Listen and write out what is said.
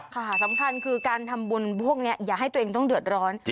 ค่ะสำคัญคือการทำบุญพวกนี้อย่าให้ตัวเองต้องเดือดร้อน